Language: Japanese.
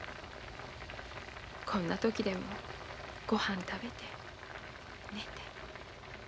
こんな時でもごはん食べて寝て。